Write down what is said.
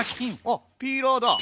あっピーラーだ！